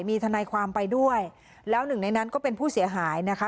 มีทนายความไปด้วยแล้วหนึ่งในนั้นก็เป็นผู้เสียหายนะคะ